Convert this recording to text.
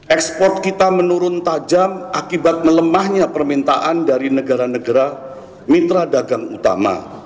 ekspor kita menurun tajam akibat melemahnya permintaan dari negara negara mitra dagang utama